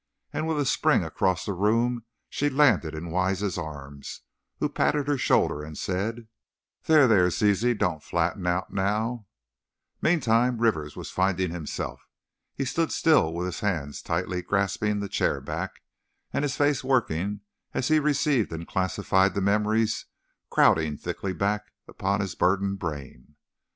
and with a spring across the room, she landed in Wise's arms, who patted her shoulder, and said: "There, there, Ziz, don't flatten out now!" Meantime, Rivers was finding himself. He stood still, with his hands tightly grasping the chair back, and his face working as he received and classified the memories crowding thickly back upon his burdened brain.